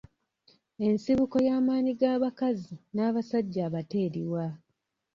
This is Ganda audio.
Ensibuko y'amaanyi g'abakazi n'abasajja abato eriwa?